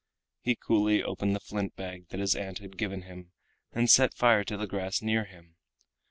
He coolly opened the flint bag that his aunt had given him and set fire to the grass near him.